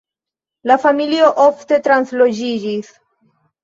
La familio ofte transloĝiĝis.